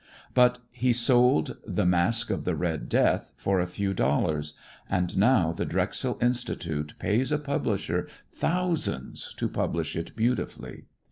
But he sold "The Masque of the Red Death" for a few dollars, and now the Drexel Institute pays a publisher thousands to publish it beautifully.